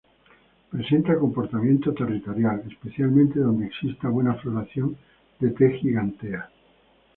Presenta comportamiento territorial especialmente donde exista buena floración de "T. gigantea".